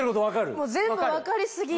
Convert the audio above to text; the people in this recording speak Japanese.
もう全部分かり過ぎる！